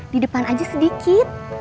di depan aja sedikit